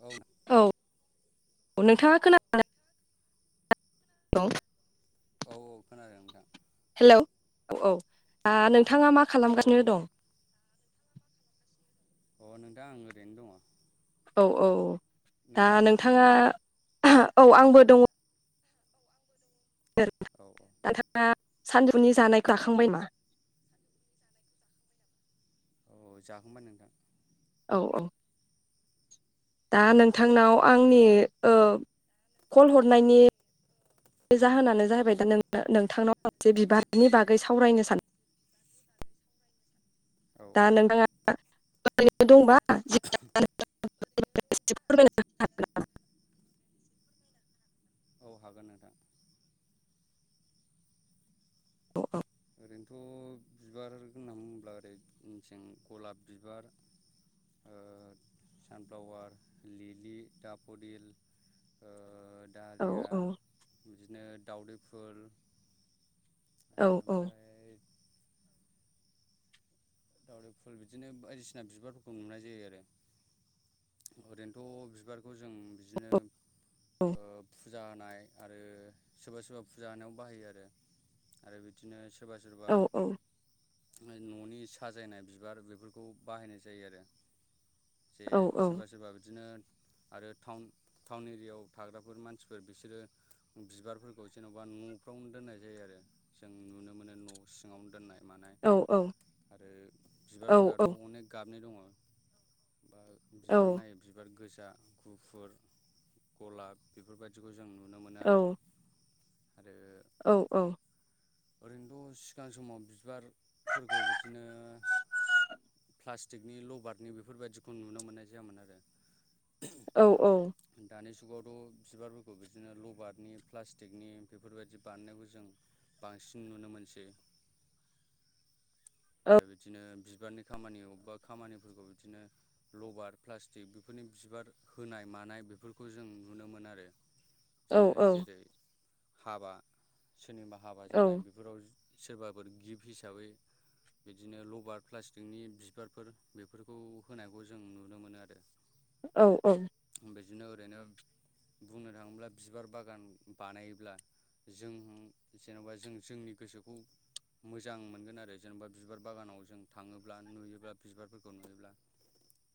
औ औ औ नोंथाङा खोना [unintelligible] औ औ खोनादों नोंथां। हेल' औ औ नोंथाङा मा औ खालामगासिनो दं? अ नोंथां आं ओरैनो दङ। औ औ दा नोंथाङालाय नोंथाङा औ आंबो दङ। सोर औ औ नोंथाङा सानदुंनि जानायखौ आाखांबाय मा औ जाखांबाय नोंथां। औ औ दा नोंथांनाव आंनि ओ-कल हरनायनि बे जाहोनानो जाहैबाय दा नोंथांनाव मोनसे बिबारनि बागै सावरायनो सानद औ दा औ नोंथाङा [unintelligible] दंबा [unintelligible] फोरमाय औ हागोन नोंथां। अ औ ओरैनोथ' बिबार होनना बुङोब्ला ओरै मेसें गलाब बिबार। ओ-सानफ्लावार लिलि दाफदिल। औ ओ-दालिया औ बिदिनो दाावदै फुल। औ ओमफ्राय। दावदै फुल बिदिनो बायदिसिना बिबारफोरखौ नुनाय जायो आरो। ओरैनोथ' बिबारखौ जों बिदिनो ओ-फु फुजा होनाय आरो सोरबा सोरबा फुजा होनाव बाहायो आरो। आरो बिदिनो सोरबा सोरबा। औ न'नि साजायनाय बिबार बेफोरखौ बाहायनाय जायो आरो जे औ औ सोरबा सोरबा बिदिनो आरो टाउन टाउन एरियाायाव थाग्राफोर मानसिफोर बिसोरो बिबारफोरखौ जेन'बा न'फ्रावनो दोननाय जायो आरो। जों नुनो मोनो न' सिङावनो दोननाय। मानाय आरो औ बिबारफोराथ' औ अनेक। गाबनि दङ बा औ बिबार नायो। बिबार गोजा गुफुर गलाब। बेफोरबायाददिखौ जों नुनो मोनो औ आरो आरो। औ औ ओरैनोथ' सिगां समाव बिबारफोरखौ बिदिनो। प्लास्टिकनि लबारनि बेफोरबायाददिखौ नुनो मोननाय जायामोन आरो। औ औ दानि जुगावथ' बिबारफोरखौ बिदिनो लबारनि प्लास्टिकनि बेफोरबायदि बानायनायखौ जों। बांसिन नुनो मोनसै [inaudible] आरो बिदिनो बिबारनि खामानि अबेबा खामानिफोरखौ बिदिनो लबार प्लास्टिक बेफोरनि बिबार होनाय मानाय बेफोरखौ जों नुनो मोन आरो। बिदिनो जेरै हाबा सोरनिबा हाबा जानाय बे फोराव सोरबाफोर गिफ्ट हिसाबै बिदिनो लबार प्लास्टिकनि बिबारफोर बेफोरखौ होनायखौ जों नु नुनो मोनो आरो। औ औ बेदिनो ओरैनो बुंनो थांङोब्ला बिबार बागान बानायोब्ला जों जेन'बा जों जोंनि गोसोखौ मोजां मोनगोन आरो जेनेबा बिबार बागानाव जों थांङोब्ला नुयोब्ला बिबारफोरखौ नुयोब्ला।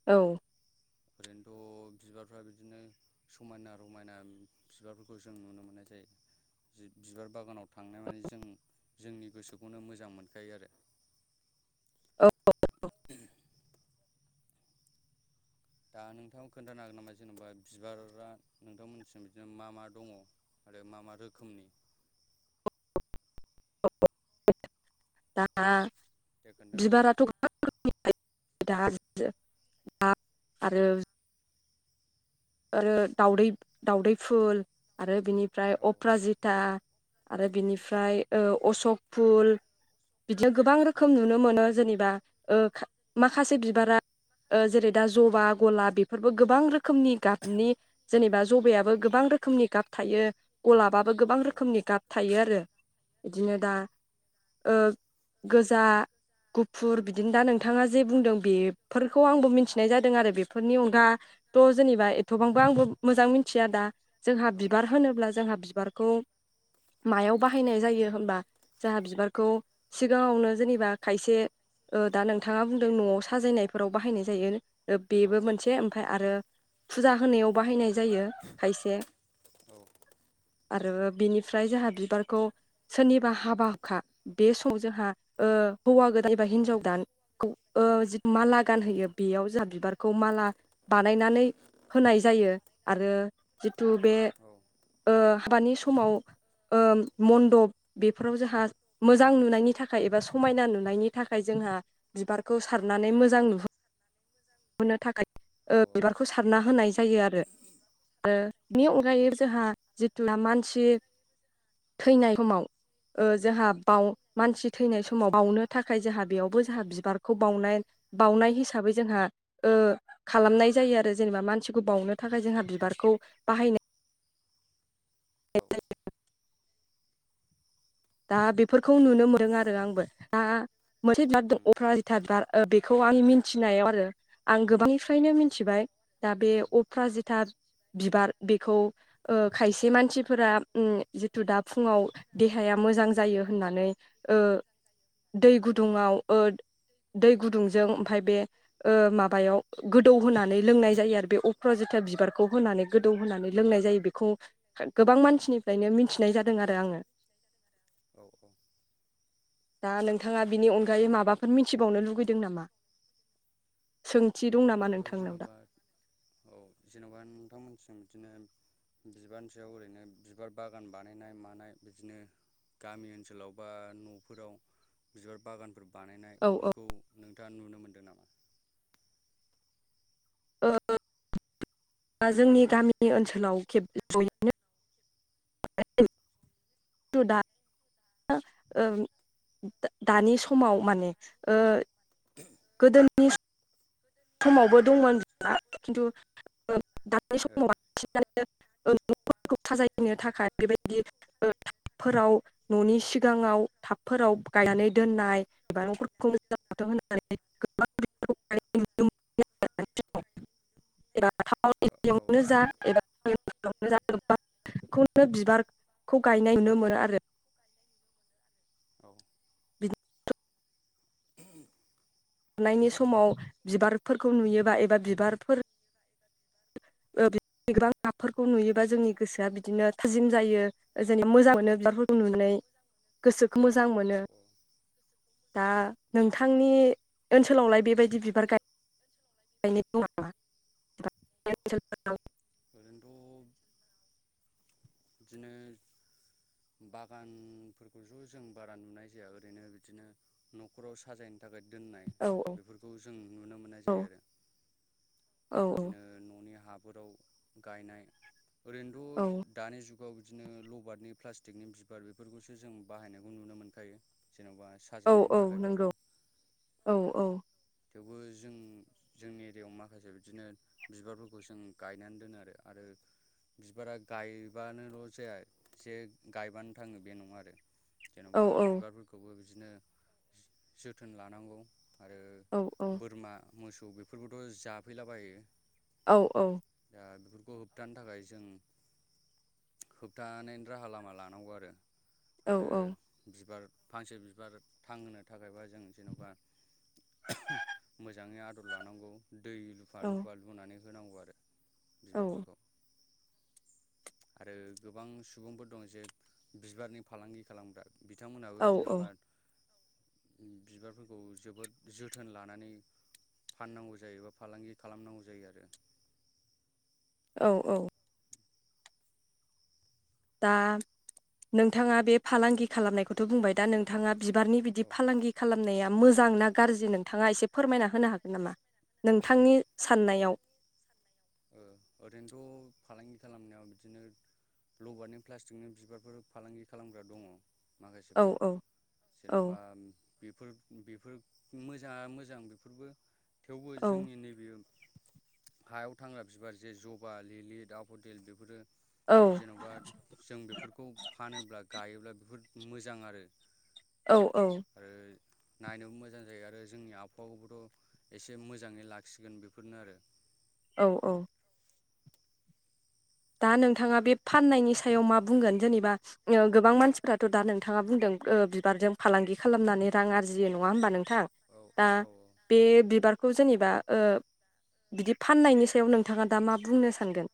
औ ओरैनोथ' बिबारफ्रा बिदिनो समायना रमायना बिबारफोरखौ जों नुनो मोननाय जायो। बा-बिबार बागानाव थांनाय माने जों जोंनि गोसोखौनो मोजां मोनखायो आरो। औ। दा नोंथांखौ खोन्थानो हागोन नामा जेनेबा बिबारा नोंथांमोननिसिम बिदिनो मा मा दंङ। आरो मा मा रोखोमनि। दा दे खोन्था नोंथां बिबाराथ'बां। [unintelligible] आरो। [unintelligible] आरो दउदै दाउदै फुल आरो बिनिफ्राय औ अप्राजित। था आरो बिनिफ्राय अशक फुल। बिदिनो गोबां औ रोखोम नुनो मोनो जेनेबा। ओ खा माखासे बिबारा ओ जेरै दा ज'बा गला बेफोरबो गोबां रोखोमनि। नि जेनेबा ज'बायाबो गोबां रोखोमनि गाब थायो। गलाबाबबो गोबां औ उम रोखोमनि गाब थायो आरो। बिदिनो दा ओ गोजा गुफुर बिदिनो दा नोंथांङा जे बुंदों बेफोरखौ आंबो मिनथिनाय जादों आरो बेफोरनि अनगा। थ' जेनेबा एथ'बांबो आंबो मोजां मिथिया दा जोंहा औ बिबार होनोब्ला जोंहा बिबारखौ। मायाव बाहायनाय जायो होमबा। जाहा बिबारखौ सिगांङावनो जेनेबा खायसे ओ दा नोंथांङा बुंदों न'आव साजायनायफोराव बाहायनाय जायो ओ औ बेबो मोनसे ओमफ्राय आरो फुजा होनायाव बाहायनाय जायो खायसे। आरो बिनिफ्राय जोंहा बिबारखौ। सोरनिबा हाबा हुखा बे समाव जोंहा ओ हौवा गोदान एबा हिनजाव गोदानखौ ओ जिथु माला गानहोयो बेयाव जों बिबारखौ माला बानायनानै। होनाय जायो। आरो जिथु बे ओ हाबानि समाव ओ मणन्दप बेफोराव जोंहा मोजां नुनायनि थाखाय एबा समायना नुनायनि थाखाय जोंहा बिबारखौ सारनानै मोजां नुहोनो थाखाय औ ओ औ बिबार सारना होनाय जायो आरो। आरो बेनि अनगायै जोंहा जिथुना मानसि थैनाय समाव ओ जोंहा बाव मानसि थैनाय औ उम औ समाव बावनो थाखाय जोंहा बेयावबो जोंहा बिबारखौ बावनाय बावनाय हिसाबै जोंहा ओ खालामनाय जायो आरो। ओ जेनेबा मानसिखौ बावनो थाखाय जोंहा बिबारखौ बाहा औ। दा बेफोरखौ नुनो मोनदों आरो आंबो दा। मोनसे बार दं अप्राथ बार बेखौ आं मिथिनायाव आरो। [unintelligible] आं गोबांनिफ्रायनो मिथिबाय दा बे अफ्रा जेथा बिबार बेखौ। ओ खायसे मानसिफोरा ओम जिथु दा फुङाव देहाया मोजां जायो होननानै ओ दै गुदुङाव ओ दै गुदुंजों ओमफाय बे ओ माबायाव गोदौ होनानै लोंनाय जायो आरो बे अपराजिथा बिबारखौ होनानै। गोदौ होननानै लोंनाय जायो, बेखौ गोबां मानसिनिफ्रायनो मिथिनाय जादों आरो आङो। औ औ। दा नोंथाङा बिनि अनगायै माबाफोर मिथिबावनो लुगैदों नामा? सोंथि दं नामा ओरैनोथ' नोंथांनाव दा? जेन'बा औ जेन'बा नोंथांमोनथिं बिदिनो बिबारनि सायाव ओरैनो बिबार बागान बानायनाय मानाय बिदिनो गामि ओनसोलाव बा न'फोराव बिबार बागानफोर बानायनाय औ औ बेफोरखौ नोंथाङा नुनो मोन्दों नामा? ओ [unintelligible] जोंनि गामि ओनसोलाव [unintelligible] खेब जयैनो [unintelligible] दा [unintelligible] ओ दानि समाव माने ओ गोदोनि समावबो दंमोन [unintelligible] खिन्थु [unintelligible] ओ। [unintelligible] ओ न'फोरखौ साजायनो थाखाय बेबायदि ओ फोराव न'नि सिगाङाव टाबफोराव गायनानै दोननाय [unintelligible] होनानै गोबां [unintelligible] ओ औ [unintelligible] खौनो बिबारखौ गायनाय नुनो मोनो आरो। औ बिदि [unintelligible] [inaudible] नायनि समाव बिबारफोरखौ नुयोबा एबा बिबारफोर [unintelligible] फोरखौ नुयोबा जोंनि गोसोआ बिदिनो थाजिम जायो। जेनेबा मोजां मोनो बिबारफोरखौ दा नुनानै गोसोखौ मोजां मोनो। दा नोंथांनि ओनसोलावलाय बेबायदि बिबार गाय गानाय दं नामा नोंथांनि ओनसोलफोराव? ओरैनोथ' बिदिनो बागानफोरखौथ' जों बारा नुनाय जाया ओरैनो बिदिनो न'खराव साजायनो थाखाय दोननाय औ औ बेफोरखौ जों नुनो मोननाय औ जायो आरो। औ बिदिनो न'नि हाफोराव गायनाय, औ ओरैनोथ' दानि जुगाव बिदिनो लबारनि प्लास टिकनि बिबार बेफोरखौसो जों बाहायनायखौ नुनो मोनखायो। जेन'बा औ साजायनायनि औ थाखायबाबो नंगौ, औ औ। थेवबो जों जोंनि एरियायाव माखासे बिदिनो बिबारफोरखौ जों गायनानै दोनो आरो। आरो बिबारा गायबानोल' जाया जे गायबानो थाङो बे नङा आरो। औ जेन'बा औ बिबारफोरखौबो बिदिनो जो-जोथोन लानांगौ आरो औ औ। बोरमा मोसौ बेफोरबोथ' जाफैलाबायो। औ औ। दा बेफोरखौ होबथानो थाखाय जों होबथानायनि राहा लामा लानांगौ आरो। औ आरो बिबार फांसे बिबार थांहोनो थाखायबा जों जेन'बा [unintelligible] मोजाङै आदर लानांगौ दै लुफा लुफा लुनानै होनांगौ आरो। बिबारफोरखौ आरो गोबां सुबुंफोर दं जे बिबारनि फालांगि खालामग्रा। बिथांमोनहाबो औ जेन'बा बिबारफोरखौ जोबोद जोथोन लानानै फाननांगौ जायोबा फालांगि खालामनांगौ जायो आरो औ औ दा नोंथाङा बे फालांगि खालामनायखौथ' बुंबाय दा नोंथाङा बिबारनि बिदि औ फालांगि खालामनाया मोजां ना गाज्रि नोंथाङा एसे फोरमायना होनो हागोन नामा? नोंथांनि साननायाव ओ ओरैनोथ' फालांगि खालामनायाव बिदिनो लबारनि प्लास्टिकनि बिबारफोर फालांगि खालामग्रा दङ। औ माखासेफोर औ औ जेन'बा बेफोर बेफोर मोजाङा मोजां बेफोरबो थेवबो औ जोंनि नैबे हायाव थांग्रा बिबार जे जबा लिलि दाफदेल बेफोरो औ जेन'बा जों बेफोरखौ फानोब्ला गायोब्ला बेफोर मोजां आरो औ औ आरो नायनोबो मोजां जायो आरो जोंनि आबहावाखौबोथ' एसे मोजाङै लाखिगोन बेफोरनो आरो औ औ दा नोंथाङा बे फाननायनि सायाव मा बुंगोन जेनेबा गोबां मानसिफ्राथ' दा नोंथाङा बुंदों बिबारजों फालांगि खालामनानै रां आरजियो नङा होमबा नोंथां? औ दा औ बे बिबार खौ जेनेबा ओ बिदि फाननायनि सायाव नोंथाङा दा मा बुंनो सानगोन?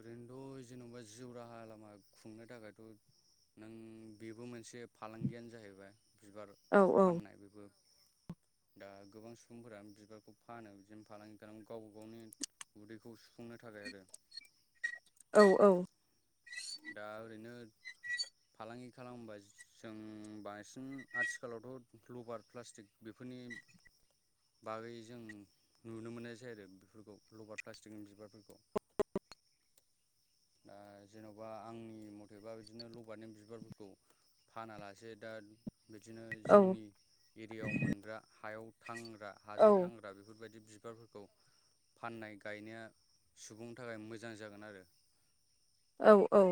ओरैनोथ' जेन'बा जिउ राहा लामा खुंनो थाखायथ' नों बेबो मोनसे फालांगियानो जाहैबाय। बिबार औ औ फाननाय बेबो [unintelligible] दा गोबां सुबुंफोराानो बिबारखौ फानो बिदिनो फालांगि खालाम गावबा गावनि उदैखौ सुफुंनो थाखाय आरो औ औ दा ओरैनो फालांगि खालामबा जों बांसिन आथिखालावथ' लभार प्लास्टिक बेफोरनि बागै जों नुनो मोननाय जायो आरो बेफोरखौ लबार प्लास्टिकनि बिबारफोरखौ [unintelligible] ओ जेन' बा आंनि मथेबा बिदिनो लगारनि बिबारफोरखौ फानालासे दा बिदिनो औ जोंनि एरियायाव मोनग्रा हायाव थांग्रा हाजों औ थांग्रा बेफोरबायदि बि बिबारफोरखौ फाननाय गायनाया सुबुंनि थाखाय मोजां जागोन आरो औ औ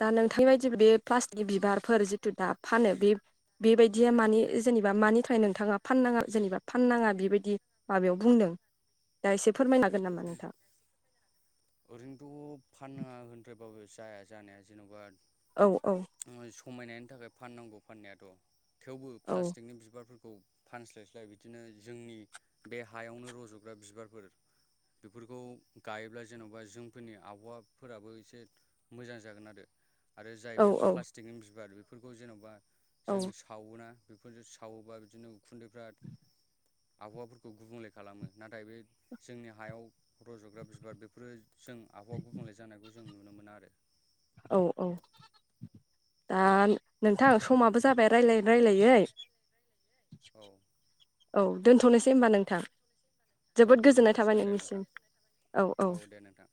दा नोंथांनि बायदि बे प्लास्टिक बिबारफोर जिथु दा फानो बे बेबायदिया मानि जेनेबा मानि थाखाय नोंथाङा फाननाङा जेनेबा फाननाङा बिबायदि माबायाव बुंदों दा एसे फोरमायनो हागोन नामा नोंथां? ओरैनोथ' फानांङा होनद्रायबाबो जाया जानाया जेन'बा औ औ। समायनायनि थाखाय फाननांगौ फाननायाथ' थेवबो औ प्लास्टिकनि बिबारफोरखौ फानस्लायस्लाय बिदिनो जोंनि बे हायावनो रज'ग्रा बिबारफोर बेफोरखौ गायोब्ला जेन'बा जोंफोरनि आबहावाफोराबो एसे मोजां जागोन आरो आरो औ जाय बे प्लास थिगनि बिबार बेफोरखौ जेन'बा औ जों सावोना बेफोरजों सावोबा बिदिनो खुन्दैफ्रा आबहावाफोरखौ गुबुंले खालामो नाथाय बे जोंनि हायाव रजग्रा बिबारनि ख्रुय जों आबहावा गुबुंले जानायखौ जों नुनो मोनो आरो औ औ दा नोंथां समाबो जाबाय रायज्लायै रायजलायै औ औ दोनथ'नोसै होनोमबा नोंथां औ जोबोद दोनथ' गोजोननाय थाबाय जासिगोन दे नोंनिसिम नोंथां औ औ दे नोंथां